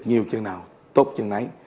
nhiều chừng nào tốt chừng nấy